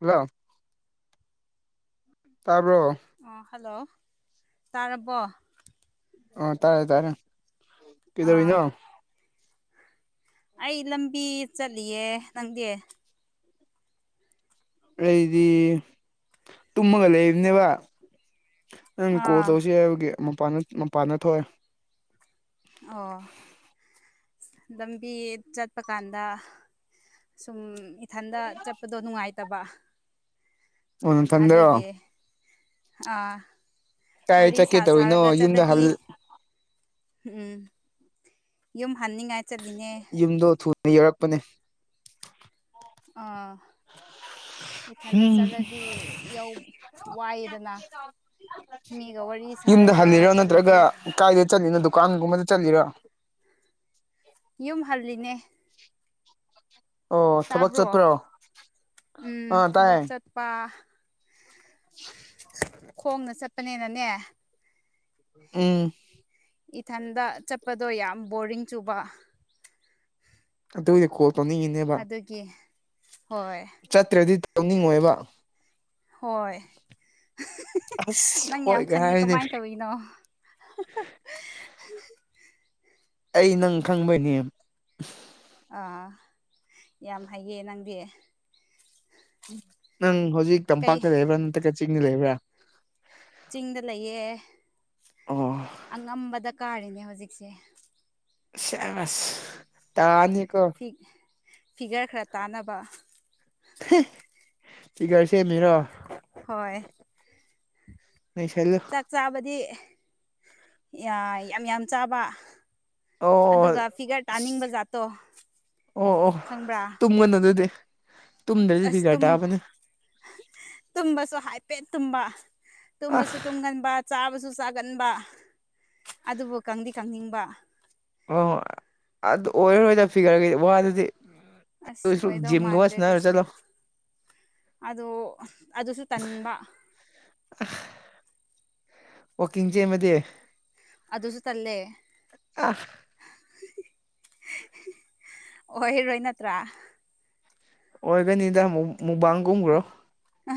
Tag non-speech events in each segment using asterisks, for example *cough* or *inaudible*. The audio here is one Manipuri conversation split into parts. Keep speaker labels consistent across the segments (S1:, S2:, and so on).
S1: ꯍꯜꯂꯣ ꯇꯥꯕ꯭ꯔꯣ
S2: ꯑꯣ ꯍꯜꯂꯣ ꯇꯥꯔꯕꯣ
S1: ꯑꯣ ꯇꯥꯔꯦ ꯇꯥꯔꯦ
S2: ꯑꯥ
S1: ꯀꯩꯗꯧꯔꯤꯅꯣ
S2: ꯑꯩ ꯂꯝꯕꯤ ꯆꯠꯂꯤꯌꯦ ꯅꯪꯗꯤ
S1: ꯑꯩꯗꯤ ꯇꯨꯝꯃꯒ ꯂꯩꯕꯅꯦꯕ ꯅꯪ ꯀꯣꯜ
S2: ꯑꯥ
S1: ꯇꯧꯁꯤ ꯍꯥꯏꯕꯒꯤ ꯃꯄꯥꯟꯗ ꯃꯄꯥꯟꯗ ꯊꯣꯛꯑꯦ
S2: ꯑꯣ ꯂꯝꯕꯤ ꯆꯠꯄ ꯀꯥꯟꯗ ꯁꯨꯝ ꯏꯊꯟꯗ ꯆꯠꯄꯗꯣ ꯅꯨꯡꯉꯥꯏꯇꯕ
S1: ꯑꯣ ꯅꯊꯟꯗꯔꯣ
S2: ꯑꯗꯨꯒꯤ ꯑꯥ
S1: ꯀꯥꯏ
S2: ꯋꯥꯔꯤ ꯁꯥ
S1: ꯆꯠꯀꯦ
S2: ꯁꯥꯔꯒ
S1: ꯇꯧꯔꯤꯅꯣ ꯌꯨꯝꯗ
S2: ꯆꯠꯂꯗꯤ
S1: ꯍꯜ
S2: ꯎꯝ ꯌꯨꯝ ꯍꯟꯅꯤꯡꯉꯥꯏ ꯆꯠꯂꯤꯅꯦ
S1: ꯌꯨꯝꯗꯣ ꯊꯨꯅ ꯌꯧꯔꯛꯄꯅꯦ
S2: ꯑꯥ ꯏꯊꯟꯗ ꯆꯠꯂꯗꯤ ꯌꯧ ꯋꯥꯏꯌꯦꯗꯅ ꯃꯤꯒ ꯋꯥꯔꯤ
S1: ꯌꯨꯝꯗ
S2: ꯁꯥꯔꯒ
S1: ꯍꯜꯂꯤꯔꯣ ꯅꯠꯇ꯭ꯔꯒ
S2: ꯆꯠꯂꯗꯤ
S1: ꯀꯥꯏꯗ ꯆꯠꯂꯤꯅꯣ ꯗꯨꯀꯥꯟꯒꯨꯝꯕꯗ ꯆꯠꯂꯤꯔꯣ
S2: ꯌꯨꯝ ꯍꯜꯂꯤꯅꯦ
S1: ꯑꯣ ꯊꯕꯛ
S2: ꯇꯥꯕ꯭ꯔꯣ
S1: ꯆꯠꯄ꯭ꯔꯣ
S2: ꯎꯝ
S1: ꯑꯥ
S2: ꯊꯕꯛ
S1: ꯇꯥꯏ
S2: ꯆꯠ ꯄꯥ ꯈꯣꯡꯅ ꯆꯠꯄꯅꯤꯅꯅꯦ
S1: ꯎꯝ
S2: ꯏꯊꯟꯗ ꯆꯠꯄꯗꯣ ꯌꯥꯝ ꯕꯣꯔꯤꯡ ꯆꯨꯕ
S1: ꯑꯗꯨꯒꯤ ꯀꯣꯜ ꯇꯧꯅꯤꯡꯉꯤꯅꯦꯕ
S2: ꯀꯦ
S1: ꯆꯠꯇ꯭ꯔꯗꯤ ꯇꯧꯅꯤꯡꯉꯣꯏꯕ
S2: ꯍꯣꯏ
S1: ꯑꯁ
S2: ꯅꯪ ꯌꯥꯝ
S1: ꯍꯣꯏꯒ
S2: ꯈꯪꯉꯦ
S1: ꯍꯥꯏꯅꯦ
S2: ꯀꯃꯥꯏꯟ ꯇꯧꯔꯤꯅꯣ *inaudible*
S1: ꯑꯩ ꯅꯪ ꯈꯪꯕꯩꯅꯦ
S2: ꯑꯥ ꯌꯥꯝ ꯍꯩꯌꯦ ꯅꯪꯗꯤ
S1: ꯅꯪ ꯍꯧꯖꯤꯛ
S2: ꯀꯩ
S1: ꯇꯝꯄꯥꯛꯇ ꯂꯩꯕ꯭ꯔꯥ ꯅꯠꯇ꯭ꯔꯒ ꯆꯤꯡꯗ ꯂꯩꯕ꯭ꯔꯥ
S2: ꯆꯤꯡꯗ ꯂꯩꯌꯦ
S1: ꯑꯣ
S2: ꯑꯉꯝꯕꯗ ꯀꯥꯔꯤꯅꯦ ꯍꯧꯖꯤꯛꯁꯦ
S1: ꯁꯦꯁ ꯇꯥꯅꯤ ꯀꯣ
S2: ꯐꯤ ꯐꯤꯒꯔ ꯈꯔ ꯇꯥꯅꯕ
S1: ꯐꯤꯒꯔ ꯁꯦꯝꯃꯤꯔꯣ
S2: ꯍꯣꯏ
S1: ꯅꯩꯁꯜꯂꯨ
S2: ꯆꯥꯛ ꯆꯥꯕꯗꯤ ꯌꯥ ꯌꯥꯝ ꯌꯥꯝ ꯆꯥꯕ
S1: ꯑꯣ
S2: ꯑꯗꯨꯒ ꯐꯤꯒꯔ ꯇꯥꯅꯤꯡꯕ ꯖꯥꯠꯇꯣ ꯈꯪꯕ꯭ꯔꯥ
S1: *unintelligible* ꯗꯨꯗꯤ
S2: ꯑꯁ ꯇꯨꯝ ꯇꯨꯝꯕꯁꯨ ꯍꯥꯏꯐꯦꯠ ꯇꯨꯝꯕ
S1: ꯑ
S2: ꯇꯨꯝꯕꯁꯨ ꯇꯨꯝꯒꯟꯕ ꯆꯥꯕꯁꯨ ꯆꯥꯒꯟꯕ ꯑꯗꯨꯕꯨ ꯀꯪꯗꯤ ꯀꯪꯅꯤꯡꯕ
S1: ꯑꯣ ꯑꯗꯨ ꯑꯣꯏꯔꯔꯣꯏꯗ ꯐꯤꯈꯔꯒꯗꯤ ꯋꯥꯗꯨꯗꯤ
S2: ꯑꯁ
S1: ꯑꯗꯨꯁꯨ
S2: ꯑꯣꯏꯗꯧ
S1: ꯖꯤꯝꯒꯨꯝꯕ
S2: ꯃꯥꯟꯗ꯭ꯔꯦ
S1: ꯁꯥꯟꯅꯔ ꯆꯠꯂꯣ
S2: ꯇꯁꯦꯡꯅ ꯑꯗꯣ ꯑꯗꯨꯁꯨ ꯇꯟꯕ
S1: ꯋꯥꯀꯤꯡ ꯆꯦꯟꯕꯗꯤ
S2: ꯑꯗꯨꯖꯨ ꯇꯜꯂꯦ
S1: ꯑ
S2: ꯑꯣꯏꯔꯣꯏ ꯅꯠꯇ꯭ꯔꯥ
S1: ꯑꯣꯏꯒꯅꯤꯗ ꯃꯨꯕꯥꯡꯒꯨꯝꯈ꯭ꯔꯣ
S2: ꯑ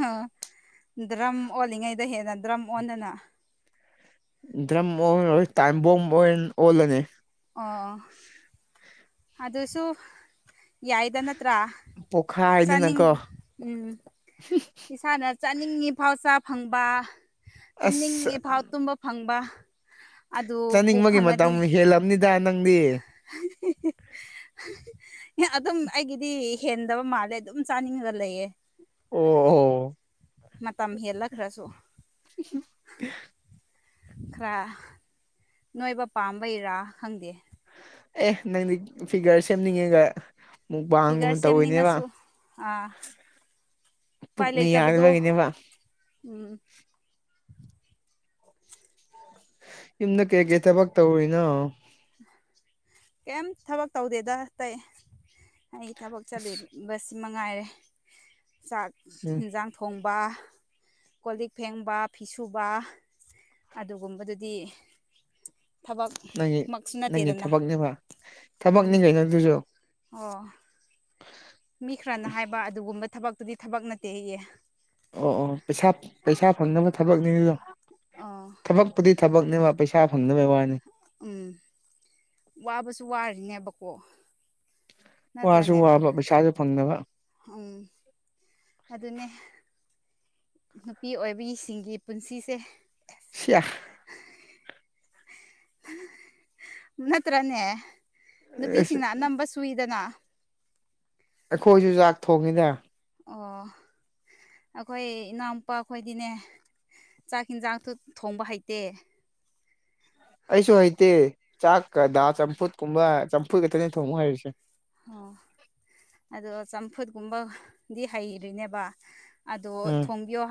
S2: ꯗ꯭ꯔꯝ ꯑꯣꯜꯂꯤꯉꯩꯗ ꯍꯦꯟꯅ ꯗ꯭ꯔꯝ ꯑꯣꯟꯗꯅ
S1: ꯗ꯭ꯔꯝ ꯇꯥꯏꯕꯣꯝ ꯑꯣꯏꯅ ꯑꯣꯜꯂꯅꯤ꯫
S2: ꯑꯣ ꯑꯗꯨꯁꯨ ꯌꯥꯏꯗ ꯅꯠꯇ꯭ꯔꯥ ꯆꯅꯤꯡ
S1: ꯄꯣꯛꯈꯥꯏꯗꯅꯀꯣ
S2: ꯎꯝ ꯏꯁꯥꯅ ꯆꯥꯅꯤꯡꯉꯤꯐꯥꯎ ꯆꯥ ꯐꯪꯕ
S1: ꯑꯁ
S2: ꯇꯨꯝꯅꯤꯡꯉꯤꯐꯥꯎ ꯇꯨꯝꯕ ꯐꯪꯕ ꯑꯗꯨꯕꯨ
S1: ꯆꯥꯅꯤꯡꯕꯒꯤ ꯃꯇꯝ
S2: ꯐꯪꯉꯗꯤ
S1: ꯍꯦꯜꯂꯕꯅꯤꯗ ꯅꯪꯗꯤ꯫
S2: *unintelligible* ꯑꯗꯨꯝ ꯑꯩꯒꯤꯗꯤ ꯍꯦꯟꯗꯕ ꯃꯥꯜꯂꯦ ꯑꯗꯨꯝ ꯆꯥꯅꯤꯡꯉꯒ ꯂꯩꯌꯦ꯫
S1: ꯑꯣ ꯑꯣ
S2: ꯃꯇꯝ ꯍꯦꯜꯂꯛꯈ꯭ꯔꯁꯨ
S1: *inaudible*
S2: ꯈꯔꯥ ꯅꯣꯏꯕ ꯄꯥꯝꯕꯩꯔꯥ ꯈꯪꯗꯦ꯫
S1: ꯑꯦ ꯅꯪꯗꯤ ꯐꯤꯒꯔ ꯁꯦꯝꯅꯤꯡꯉꯦꯒ꯫
S2: ꯐꯤꯒꯔ
S1: ꯃꯨꯛꯕꯥꯡꯒꯨꯝꯕ ꯇꯧꯋꯤꯅꯦꯕ
S2: ꯁꯦꯝꯅꯤꯡꯉꯁꯨ ꯑꯥ ꯎꯄꯥꯏ
S1: ꯄꯨꯛꯅ
S2: ꯂꯩꯇꯕꯗꯣ
S1: ꯌꯥꯗꯕꯒꯤꯅꯦꯕ
S2: ꯎꯝ
S1: ꯌꯨꯝꯗ ꯀꯩꯀꯩ ꯊꯕꯛ ꯇꯧꯔꯤꯅꯣ
S2: ꯀꯩꯝ ꯊꯕꯛ ꯇꯧꯗꯦꯗ ꯇꯩ꯫ ꯑꯩ ꯊꯕꯛ
S1: ꯑꯁ
S2: ꯆꯠꯂꯤꯕ ꯕꯁꯁꯤ ꯃꯉꯥꯏꯔꯦ ꯆꯥꯛ
S1: ꯎꯝ
S2: ꯌꯦꯟꯁꯥꯡ ꯊꯣꯡꯕ ꯀꯣꯜ ꯂꯤꯛ ꯐꯦꯡꯕ ꯐꯤꯁꯨꯕ ꯑꯗꯨꯒꯨꯝꯕꯗꯨꯗꯤ ꯊꯕꯛ
S1: ꯅꯪꯒꯤ ꯅꯪꯒꯤ ꯊꯕꯛꯅꯦꯕ
S2: ꯎꯝ
S1: ꯊꯕꯛꯅꯤꯈꯩ ꯅꯪꯗꯨꯁꯨ
S2: ꯑꯣ
S1: *inaudible*
S2: ꯃꯤ ꯈꯔꯅ ꯍꯥꯏꯕ ꯑꯗꯨꯒꯨꯝꯕ ꯊꯕꯛꯇꯨꯗꯤ ꯊꯕꯛ ꯅꯠꯇꯦ ꯍꯌꯦ꯫
S1: ꯑꯣ ꯑꯣ ꯄꯩꯁꯥ ꯄꯩꯁꯥ ꯐꯪꯅꯕ ꯊꯕꯛꯅꯤ ꯑꯗꯨꯗꯣ
S2: ꯑ
S1: ꯊꯕꯛꯄꯨꯗꯤ ꯊꯕꯛꯅꯦꯕ ꯄꯩꯁꯥ ꯐꯪꯅꯕꯩ ꯋꯥꯅꯤ꯫
S2: ꯎꯝ ꯋꯥꯕꯁꯨ ꯋꯥꯔꯤꯅꯦꯕꯀꯣ
S1: ꯋꯥꯁꯨ
S2: ꯅꯠꯇ꯭ꯔꯅꯦ
S1: ꯋꯥꯕ ꯄꯩꯁꯥꯁꯨ ꯐꯪꯗꯕ
S2: ꯎꯝ ꯑꯗꯨꯅꯦ꯫ ꯅꯨꯄꯤ ꯑꯣꯏꯕꯤꯁꯤꯡꯒꯤ ꯄꯨꯟꯁꯤꯁꯦ꯫
S1: ꯁꯤ꯭ꯌꯥꯍ
S2: ꯅꯠꯇꯔꯅꯦ꯫
S1: ꯑꯁ
S2: ꯅꯨꯄꯤꯁꯤꯡꯅ ꯑꯅꯝꯕ ꯁꯨꯏꯗꯅ
S1: ꯑꯩꯈꯣꯏꯁꯨ ꯆꯥꯛ ꯊꯣꯡꯉꯤꯗ
S2: ꯑꯣ ꯑꯩꯈꯣꯏ ꯏꯅꯥꯎꯄꯥ ꯈꯈꯣꯏꯗꯤꯅꯦ ꯆꯥꯛ ꯌꯦꯤꯟꯖꯥꯛꯇ ꯊꯣꯡꯕ ꯍꯩꯇꯦ꯫
S1: ꯑꯩꯁꯨ ꯍꯩꯇꯦ ꯆꯥꯛꯀ ꯆꯝꯐꯨꯠ ꯀꯨꯝꯕ ꯆꯝꯐꯨꯠ ꯈꯛꯇꯅꯤ ꯊꯣꯡꯉꯨ ꯍꯥꯏꯩꯔꯤꯁꯦ꯫
S2: ꯑꯣ ꯑꯗꯣ ꯆꯝꯐꯨꯠꯀꯨꯝꯕꯗꯤ ꯍꯩꯔꯏꯅꯦꯕ꯫ ꯑꯗꯣ
S1: ꯎꯝ
S2: ꯊꯣꯡꯕꯤꯌꯣ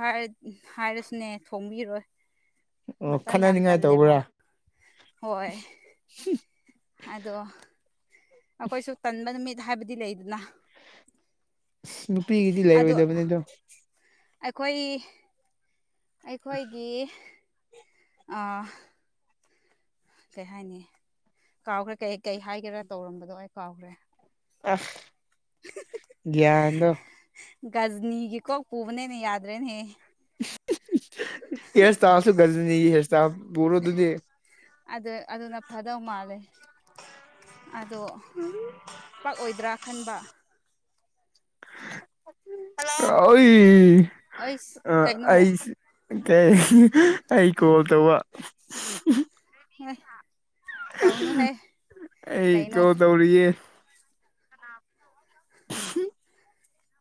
S2: ꯍꯥꯏꯔꯁꯨꯅꯦ ꯊꯣꯡꯕꯤꯔꯣꯏ
S1: ꯑꯣ
S2: ꯃꯇꯝ ꯌꯥꯝ
S1: ꯈꯠꯅꯅꯤꯡꯉꯥꯏ
S2: ꯇꯜꯂꯦꯕ
S1: ꯇꯧꯕ꯭ꯔꯥ
S2: ꯍꯣꯏ ꯑꯗꯣ ꯑꯩꯈꯣꯏꯁꯨ ꯇꯟꯕ ꯅꯨꯃꯤꯠ ꯍꯥꯏꯕꯗꯤ ꯂꯩꯗꯅ
S1: ꯑ ꯅꯨꯄꯤꯒꯤꯗꯤ ꯂꯩꯔꯣꯏꯗꯕꯅꯤ ꯑꯗꯣ
S2: ꯑꯩꯈꯣꯏ ꯑꯩꯈꯣꯏꯒꯤ꯫ ꯀꯩ ꯍꯥꯏꯅꯤ ꯀꯥꯎꯈ꯭ꯔꯦ ꯀꯩ ꯀꯩ ꯍꯥꯏꯒꯦꯔꯥ ꯇꯧꯔꯝꯕꯗꯣ ꯑꯩ ꯀꯥꯎꯈ꯭ꯔꯦ꯫
S1: ꯑ ꯭ꯌꯥꯟꯗꯣ
S2: ꯒꯖꯅꯤꯒꯤ ꯀꯣ ꯄ ꯄꯨꯕꯅꯤꯅꯦ ꯌꯥꯗ꯭ꯔꯦꯅꯦ
S1: *unintelligible* ꯄꯨꯔꯣ ꯑꯇꯨꯗꯤ
S2: ꯑꯗꯨꯗ ꯑꯗꯨꯅ ꯐꯗꯧ ꯃꯥꯜꯂꯦ ꯑꯗꯣ
S1: ꯎꯝ
S2: ꯄꯥꯛꯑꯣꯏꯗ꯭ꯔꯥ ꯈꯟꯕ
S1: ꯑꯩ
S2: ꯑꯩꯁ ꯀꯩꯅꯣ
S1: ꯑꯁꯤ ꯀꯩ ꯑꯩ ꯀꯣꯜ ꯇꯧꯕ
S2: ꯍꯣꯏ ꯇꯧꯅꯨꯍꯦ
S1: ꯑꯩ
S2: ꯀꯩꯅꯣ
S1: ꯀꯣ ꯇꯧꯔꯤꯌꯦ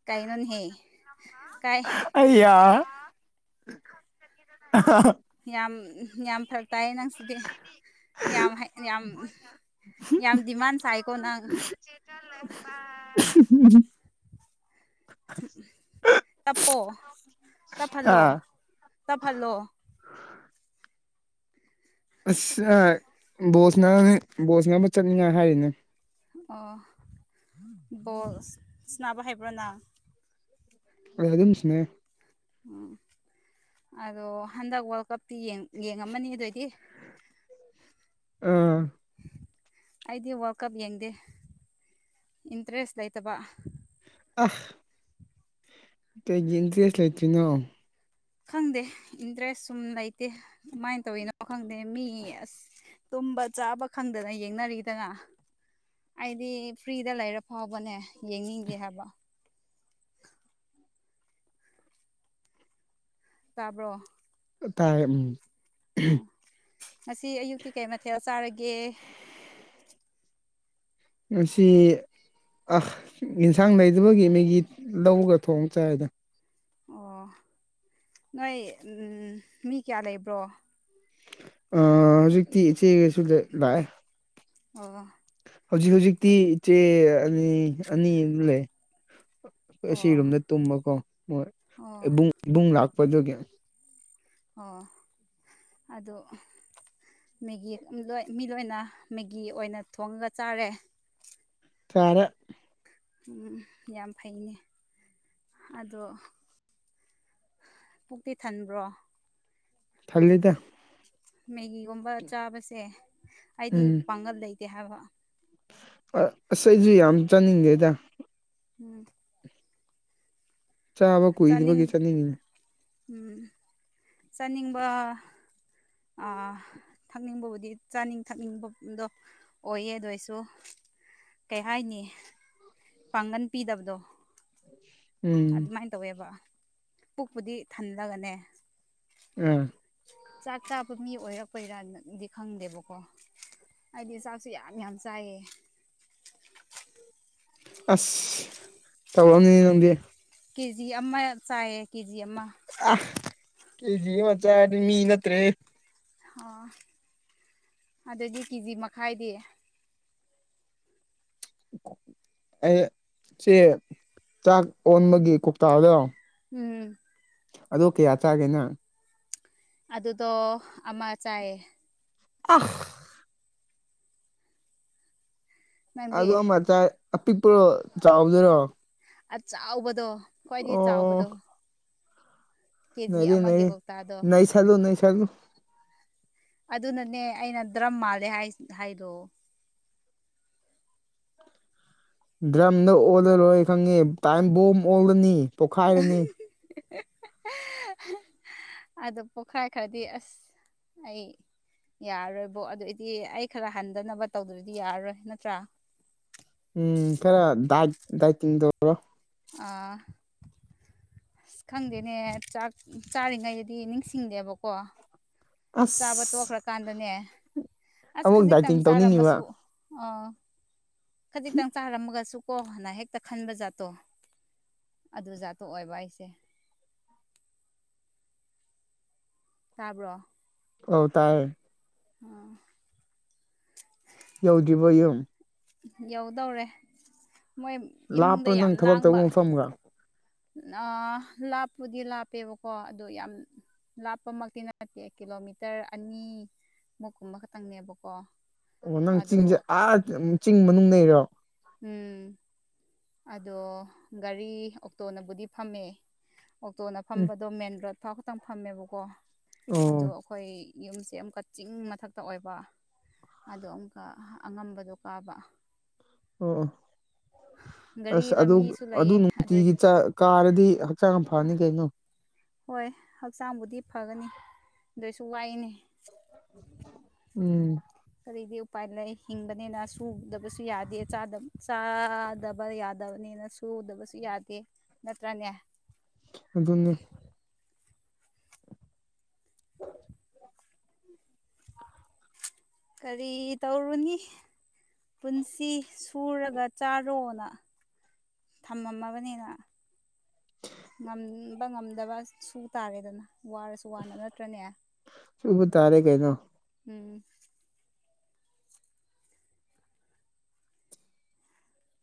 S2: ꯀꯩꯅꫭꯅꯍꯦ ꯀꯥꯏ
S1: ꯑꯌꯥ
S2: ꯌꯥꯝ ꯌꯥꯝ ꯐꯔꯛ ꯇꯥꯏꯌꯦ ꯅꯪꯁꯤꯗꯤ ꯌꯥꯝ ꯌꯥꯝ ꯌꯥꯝ ꯗꯤꯃꯥꯟ ꯁꯥꯏꯀꯣꯅꯪ
S1: *unintelligible*
S2: ꯇꯞꯄꯣ ꯇꯞꯍꯜꯂꯣ
S1: ꯑꯥ
S2: ꯇꯞꯍꯜꯂꯣ
S1: ꯑꯁ ꯕꯣꯁꯅꯔꯅꯤ ꯕꯣꯁꯅ ꯅꯕ ꯆꯠꯅꯤꯡꯉꯥꯏ ꯍꯥꯏꯔꯤꯅꯦ
S2: ꯑꯣ ꯕꯣꯜ ꯁꯅꯥꯕ ꯍꯥꯏꯕ꯭ꯔꯣꯅ
S1: ꯑ ꯑꯗꯨ ꯁꯥꯇꯩꯅꯦ
S2: ꯎꯝ ꯑꯗꯣ ꯍꯟꯗꯛ ꯋꯥꯔꯜ ꯀꯞꯇꯤ ꯌꯦꯡꯉꯝꯃꯅꯤ ꯑꯗꯨꯑꯣꯏꯗꯤ
S1: ꯑꯥ
S2: ꯑꯩꯗꯤ ꯋꯥꯔꯜ ꯀꯞ ꯌꯦꯡꯗꯦ ꯏꯟꯇꯔꯦꯁ ꯂꯩꯇꯕ
S1: ꯑꯥ ꯀꯩꯒꯤ ꯏꯟꯇꯔꯦꯁ ꯂꯩꯇ꯭ꯔꯤꯅꯣ
S2: ꯈꯪꯗꯦ ꯏꯟꯇꯔꯦꯁ ꯁꯨꯝ ꯂꯩꯇꯦ ꯀꯃꯥꯏꯅ ꯇꯧꯋꯤꯅꯣ ꯈꯪꯗꯦ ꯃꯤ ꯑꯁ ꯇꯨꯝꯕ ꯆꯥꯕ ꯈꯪꯗꯅ ꯌꯦꯡꯅꯔꯤꯗꯅ ꯑꯩꯗꯤ ꯐ꯭ꯔꯤꯗ ꯂꯩꯔ ꯐꯥꯎꯕꯅꯦ ꯌꯦꯡꯅꯤꯡꯗꯦ ꯍꯥꯏꯕ ꯇꯥꯕ꯭ꯔꯣ
S1: ꯇꯥꯏ ꯎꯝ
S2: ꯑꯥ ꯉꯁꯤ ꯑꯌꯨꯛꯇꯤ ꯀꯩ ꯃꯊꯦꯜ ꯆꯥꯔꯒꯦ
S1: ꯉꯁꯤ ꯑ ꯌꯦꯟꯁꯥꯡ ꯂꯩꯖꯕꯒꯤ ꯃꯦꯒꯤ ꯂꯧꯔꯒ ꯊꯣꯡ ꯆꯥꯏꯗꯅ
S2: ꯑꯣ ꯅꯣꯏ ꯃꯤ ꯀꯌꯥ ꯂꯩꯕ꯭ꯔꯣ
S1: ꯍꯧꯖꯤꯛꯇꯤ ꯏꯆꯦꯒꯁꯨ ꯂꯥꯛꯑꯦ
S2: ꯑꯣ
S1: ꯍꯧꯖꯤꯛ ꯍꯧꯖꯤꯛꯇꯤ ꯏꯆꯦ ꯑꯅꯤ ꯑꯅꯤ ꯂꯩ ꯑꯩ
S2: ꯑꯣ
S1: ꯑꯁꯤꯔꯣꯝꯗ ꯇꯨꯝꯕꯀꯣ ꯃꯣꯏ
S2: ꯑꯣ
S1: ꯏꯕꯨꯡ ꯏꯕꯨꯡ ꯂꯥꯛꯄꯗꯨꯒꯤ
S2: ꯑꯣ ꯑꯗꯣ ꯃꯦꯒꯤ ꯂꯣꯏ ꯃꯤ ꯂꯣꯏꯅ ꯃꯦꯒꯤ ꯑꯣꯏꯅ ꯊꯣꯡꯉꯒ ꯆꯥꯔꯦ
S1: ꯆꯥꯔꯦ
S2: ꯎꯝ ꯌꯥꯝ ꯐꯩꯅꯦ ꯑꯗꯣ ꯄꯨꯛꯇꯤ ꯊꯟꯕ꯭ꯔꯣ
S1: ꯊꯥꯜꯂꯤꯗ
S2: ꯃꯦꯒꯤꯒꯨꯝꯕ ꯆꯥꯕꯁꯦ ꯑꯩꯗꯤ
S1: ꯎꯝ
S2: ꯄꯥꯡꯒꯜ ꯂꯩꯇꯦ ꯍꯥꯏꯕ
S1: ꯑꯁ ꯑꯩꯁꯨ ꯌꯥꯝ ꯆꯥꯅꯤꯡꯗꯦꯗ
S2: ꯎꯝ
S1: ꯆꯥꯕ
S2: ꯆꯥꯅꯤꯡ
S1: ꯀꯨꯏꯗꯕꯒꯤ ꯆꯠꯅꯤꯡꯉꯤꯅꯦ
S2: ꯎꯝ ꯆꯥꯅꯤꯡꯕ ꯊꯛꯅꯤꯡꯕꯕꯨꯗꯤ ꯆꯥꯅꯤꯡ ꯊꯛꯅꯤꯡꯕꯗꯣ ꯑꯣꯏꯌꯦ ꯑꯗꯨ ꯑꯣꯏꯁꯨ ꯀꯩ ꯍꯥꯏꯅꯤ ꯄꯥꯡꯒꯟ ꯄꯤꯗꯕꯗꯣ
S1: ꯎꯝ
S2: ꯑꯗꯨꯃꯥꯏꯅ ꯇꯧꯋꯦꯕ ꯄꯨꯛꯄꯨꯗꯤ ꯊꯜꯂꯒꯅꯦ
S1: ꯎ
S2: ꯆꯥꯛ ꯆꯥꯕ ꯃꯤ ꯑꯣꯏꯔꯛꯄꯩꯔꯥ ꯅꯪꯗꯤ ꯈꯪꯗꯦꯕꯀꯣ ꯑꯗꯤ ꯆꯥꯛꯁꯨ ꯌꯥꯝ ꯌꯥꯝ ꯆꯥꯌꯦ
S1: ꯑꯁ ꯇꯧꯔꯛꯅꯤꯅꯦ ꯅꯪꯗꯤ
S2: ꯀꯦꯖꯤ ꯑꯃ ꯆꯥꯏꯌꯦ ꯀꯦꯖꯤ ꯑꯃ
S1: ꯀꯦꯖꯤ ꯑꯃꯥ ꯆꯥꯔꯗꯤ ꯃꯤ ꯅꯠꯇ꯭ꯔꯦ
S2: ꯑꯣ ꯑꯗꯨꯗꯤ ꯀꯦꯖꯤ ꯃꯈꯥꯏꯗꯤ
S1: ꯑꯩ ꯁꯦ ꯆꯥꯛ ꯑꯣꯟꯕꯒꯤ ꯀꯧꯇꯥꯗꯣ
S2: ꯎꯝ
S1: ꯑꯗꯣ ꯀꯌꯥ ꯆꯥꯒꯦꯅ
S2: ꯑꯗꯨꯗꯣ ꯑꯃ ꯆꯥꯏꯌꯦ
S1: ꯑ ꯑ
S2: ꯅꯪꯗꯤ
S1: ꯑꯃꯆꯥ ꯑꯄꯤꯛꯄꯣ ꯆꯥꯎꯗꯔꯣ
S2: ꯑ ꯆꯥꯎꯕꯗꯣ ꯈ꯭ꯋꯥꯏꯗꯒꯤ ꯆꯥꯎꯕꯗꯣ
S1: ꯑꯣ
S2: ꯀꯦ ꯖꯤ
S1: ꯅꯩꯔꯦ
S2: ꯑꯃꯒꯤ
S1: ꯅꯩꯔꯦ
S2: ꯀꯧꯇꯥꯗꯣ
S1: ꯅꯩꯁꯜꯂꯨ ꯅꯩꯁꯜꯂꯨ
S2: ꯑꯗꯨꯅꯅꯦ ꯑꯩꯅ ꯗ꯭ꯔꯝ ꯃꯥꯜꯂꯦ ꯍꯥꯏꯔꯛꯑꯣ
S1: ꯗ꯭ꯔꯝꯗ ꯑꯣꯜꯂꯔꯣꯏ ꯈꯪꯉꯦ ꯇꯥꯏꯝ ꯕꯣꯝ ꯑꯣꯜꯂꯅꯤ ꯄꯣꯛꯈꯥꯏꯔꯅꯤ
S2: ꯑꯗꯣ ꯄꯣꯛꯈꯥꯏ ꯈꯔꯗꯤ ꯑꯁ ꯑꯩ ꯌꯥꯔꯔꯣꯏꯕꯣꯛ ꯑꯗꯨꯏꯗꯤ ꯑꯩ ꯈꯔ ꯍꯟꯗꯅꯕ ꯇꯧꯗꯗꯤ ꯌꯥꯔꯔꯣꯏ ꯅꯠꯇ꯭ꯔꯥ
S1: ꯎꯝ ꯈꯔ ꯗꯥ ꯗꯥꯏꯤꯡꯗꯧꯔꯣ
S2: ꯑ ꯑꯁ ꯈꯪꯗꯦꯅꯦ ꯆꯥꯛ ꯆꯥꯔꯤꯉꯩꯗꯗꯤ ꯅꯤꯡꯁꯤꯡꯗꯦꯕꯀꯣ ꯆꯥꯕ
S1: ꯑꯁ
S2: ꯇꯣꯛꯈ꯭ꯔꯀꯥꯟꯗꯅꯦ ꯑꯁ
S1: ꯑꯃꯨꯛ
S2: ꯈꯖꯤꯛꯇꯪ
S1: ꯗꯥꯏꯇꯤꯡ ꯇꯧꯅꯤꯡꯉꯤꯕ
S2: ꯆꯥꯔꯝꯃꯁꯨ ꯑꯣ ꯈꯖꯤꯛꯇꯪ ꯆꯥꯔꯝꯃꯒꯁꯨ ꯀꯣ ꯍꯅ ꯍꯦꯛꯇ ꯈꯟꯕ ꯖꯥꯠꯇꯣ ꯑꯗꯨꯖꯥꯠꯇꯣ ꯑꯣꯏꯕ ꯑꯩꯁꯦ ꯇꯥꯕ꯭ꯔꯣ
S1: ꯍ ꯇꯥꯏ
S2: ꯑ
S1: ꯌꯧꯗ꯭ꯔꯤꯕ ꯌꯨꯝ
S2: ꯌꯧꯗꯧꯔꯦ ꯃꯣꯏ ꯏꯃꯨꯡꯗ
S1: ꯂꯥꯞꯄ꯭ꯔꯣ
S2: ꯌꯥꯝ
S1: ꯅꯪ ꯊꯕꯛ
S2: ꯂꯥꯡꯕ
S1: ꯇꯧꯕ ꯃꯐꯝꯒ
S2: ꯂꯥꯞꯄꯨꯗꯤ ꯂꯥꯞꯄꯦꯕꯀꯣ ꯑꯗꯣ ꯌꯥꯝ ꯂꯥꯞꯄꯃꯛꯇꯤ ꯅꯠꯇꯦ ꯀꯤꯂꯣꯃꯤꯇꯔ ꯑꯅꯤ ꯃꯨꯀꯨꯝꯕ ꯈꯇꯪꯅꯦꯕꯀꯣ
S1: ꯑꯣ ꯅꯪ ꯆꯤꯡꯁꯦ ꯑꯥ ꯆꯤꯡ ꯃꯅꯨꯡ ꯂꯩꯔꯣ
S2: ꯎꯝ ꯑꯗꯣ ꯒꯥꯔꯤ ꯑꯣꯛꯇꯣꯅꯕꯨꯗꯤ ꯐꯝꯃꯦ ꯑꯣꯛꯇꯣꯅ
S1: ꯎꯝ
S2: ꯐꯝꯕꯗꯣ ꯃꯦꯟ ꯔꯣꯗ ꯑꯐꯥꯎ ꯈꯛꯇꯪ ꯐꯝꯃꯦꯕꯀꯣ ꯑꯗꯣ
S1: ꯑꯣ
S2: ꯑꯩꯈꯣꯏ ꯌꯨꯝꯁꯦ ꯑꯃꯨꯛꯀ ꯆꯤꯡ ꯃꯊꯛꯇ ꯑꯣꯏꯕ ꯑꯗꯣ ꯑꯃꯨꯛꯀ ꯑꯉꯝꯕꯗꯣ ꯀꯥꯕ
S1: ꯑꯣ
S2: ꯒꯥꯔꯤ
S1: ꯑꯁ ꯑꯗꯨ
S2: ꯂꯝꯕꯤꯁꯨ
S1: ꯑꯗꯨ
S2: ꯂꯩꯌꯦ ꯑꯗꯨꯏ
S1: ꯅꯨꯡꯇꯤꯒꯤ ꯆꯥꯛ ꯀꯥꯔꯗꯤ ꯍꯛꯆꯥꯡ ꯌꯥꯝ ꯐꯅꯤ ꯀꯩꯅꯣ
S2: ꯍꯣꯏ ꯍꯛꯆꯥꯡꯕꯨꯗꯤ ꯐꯒꯅꯤ ꯑꯗꯨꯏꯁꯨ ꯋꯥꯏꯅꯦ
S1: ꯎꯝ
S2: ꯀꯔꯤꯗꯤ ꯎꯄꯥꯏ ꯂꯩ ꯍꯤꯡꯕꯅꯤꯅ ꯁꯨꯗꯕꯁꯨ ꯌꯥꯗꯦ ꯆꯥꯗꯕ ꯕꯅꯤꯅ ꯁꯨꯗꯕꯁꯨ ꯌꯥꯗꯦ ꯅꯠꯇ꯭ꯔꯅꯦ
S1: ꯑꯗꯨ ꯑꯗꯨꯅꯤ
S2: ꯀꯔꯤ ꯇꯧꯔꯨꯅꯤ ꯄꯨꯟꯁꯤ ꯁꯨꯔꯒ ꯆꯥꯔꯣꯅ ꯊꯝꯃꯝꯃꯕꯅꯤꯅ ꯉꯝꯕ ꯉꯝꯗꯕ ꯁꯨ ꯇꯥꯔꯦꯗꯅ ꯋꯥꯔꯁꯨ ꯋꯥꯅ ꯅꯠꯇ꯭ꯔꯅꯦ
S1: ꯁꯨꯕꯥ ꯇꯥꯔꯦ ꯀꯩꯅꯣ
S2: ꯎꯝ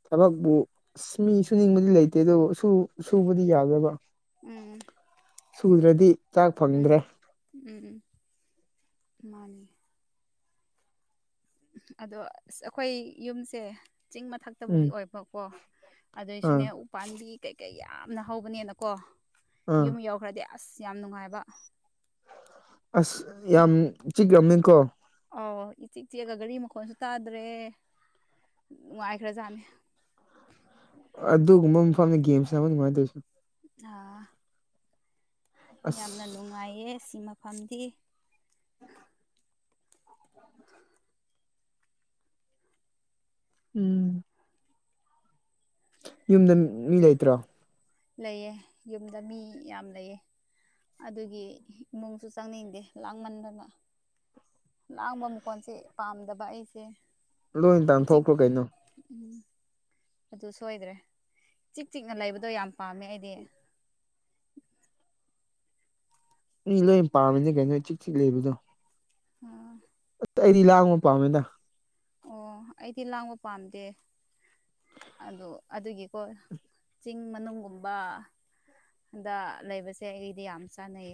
S1: ꯊꯕꯛꯄꯨ ꯑꯁ ꯃꯤ ꯁꯨꯅꯤꯡꯕꯗꯤ ꯂꯩꯇꯦ ꯑꯗꯨꯕꯨ ꯁꯨ ꯁꯨꯕꯗꯤ ꯌꯥꯕꯔ꯭ꯕ
S2: ꯎꯝ
S1: ꯁꯨꯗ꯭ꯔꯗꯤ ꯆꯥꯛ
S2: ꯎꯝ
S1: ꯐꯪꯗ꯭ꯔꯦ
S2: ꯎꯝ ꯃꯥꯅꯤ ꯑꯗꯣ ꯑꯁ ꯑꯩꯈꯣꯏ ꯌꯨꯝꯁꯦ ꯆꯤꯡ ꯃꯊꯛ
S1: ꯎꯝ
S2: ꯇꯕꯨꯗꯤ ꯑꯣꯏꯕꯀꯣ
S1: ꯑꯥ
S2: ꯑꯗꯨꯏꯁꯨꯅꯦ ꯎ ꯄꯥꯝꯕꯤ ꯀꯩꯀꯩ ꯌꯥꯝꯅ ꯍꯧꯕꯅꯦꯅꯀꯣ
S1: ꯑꯥ
S2: ꯌꯨꯝ ꯌꯧꯈ꯭ꯔꯗꯤ ꯑꯁ ꯌꯥꯝ ꯅꯨꯡꯉꯥꯏꯕ
S1: ꯑꯁ ꯌꯥꯝ ꯆꯤꯛꯔꯝꯅꯤꯀꯣ
S2: ꯑꯧ ꯏꯆꯤꯛ ꯆꯤꯛꯑꯒ ꯒꯥꯔꯤ ꯃꯈꯣꯟꯁꯨ ꯇꯥꯗ꯭ꯔꯦ ꯅꯨꯡꯉꯥꯏꯈ꯭ꯔꯖꯥꯠꯅꯦ
S1: ꯑꯗꯨꯒꯨꯝꯕ ꯃꯐꯝꯗ ꯒꯦꯝ ꯁꯥꯟꯅꯕꯥ ꯅꯨꯡꯉꯥꯏꯗꯨꯏꯁꯦ
S2: ꯑꯥ ꯌꯥꯝꯅ
S1: ꯑꯁ
S2: ꯅꯨꯡꯉꯥꯏꯌꯦ ꯁꯤ ꯃꯐꯝꯗꯤ ꯍꯥ
S1: ꯎꯝ ꯌꯨꯝꯗ ꯃꯤ ꯂꯩꯇ꯭ꯔꯣ
S2: ꯂꯩꯌꯦ ꯌꯨꯝꯗ ꯃꯤ ꯌꯥꯝ ꯂꯩꯌꯦ ꯑꯗꯨꯒꯤ ꯏꯃꯨꯡꯁꯨ ꯆꯪꯅꯤꯡꯗꯦ ꯂꯥꯡꯃꯟꯗꯅ ꯂꯥꯡꯕ ꯃꯈꯣꯟꯁꯦ ꯄꯥꯝꯗꯕ ꯑꯩꯁꯦ
S1: ꯂꯣꯏ ꯇꯥꯟꯊꯣꯛꯈ꯭ꯔꯣ ꯀꯩꯅꯣ
S2: ꯎꯝ ꯑꯗꯨ ꯁꯣꯏꯗ꯭ꯔꯦ ꯆꯤꯛ ꯆꯤꯛꯅ ꯂꯩꯕꯗꯣ ꯌꯥꯝ ꯄꯥꯝꯃꯦ ꯑꯩꯗꯤ
S1: ꯃꯤ ꯂꯣꯏ ꯄꯥꯝꯃꯤꯅꯦ ꯀꯩꯅꯣ ꯏꯆꯤꯛ ꯆꯤꯛ ꯂꯩꯕꯗꯣ
S2: ꯑꯥ
S1: ꯑꯠ ꯑꯩꯗꯤ ꯂꯥꯡꯕ ꯄꯥꯝꯃꯤꯗ
S2: ꯑꯣ ꯑꯩꯗꯤ ꯂꯥꯡꯕ ꯄꯥꯝꯗꯦ ꯑꯗꯨ ꯑꯗꯨꯒꯤꯀꯣ ꯆꯤꯡ ꯃꯅꯨꯡꯒꯨꯝꯕ ꯍꯟꯗ ꯂꯩꯕꯁꯦ ꯑꯩꯗꯤ ꯌꯥꯝ ꯆꯥꯟꯅꯩꯌꯦ